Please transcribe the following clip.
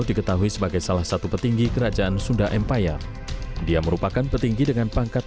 diketahui sebagai salah satu petinggi kerajaan sunda empire dia merupakan petinggi dengan pangkat